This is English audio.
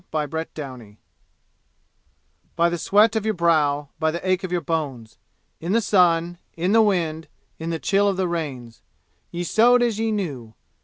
Chapter XVIII By the sweat of your brow; by the ache of your bones; In the sun, in the wind, in the chill of the rains, Ye sowed as ye knew.